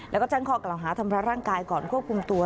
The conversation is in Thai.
แล้วก็จังคอกล่าวหาธรรมดาร่างกายก่อนควบคุมตัว